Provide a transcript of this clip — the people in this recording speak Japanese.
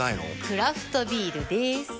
クラフトビールでーす。